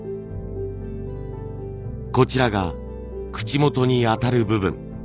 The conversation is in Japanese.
こちらが口元に当たる部分。